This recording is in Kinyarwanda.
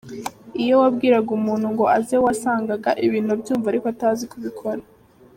Iyo wabwiraga umuntu ngo aze wasangaga ibintu abyumva ariko atazi kubikora.